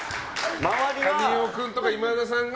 神尾君とか今田さんが。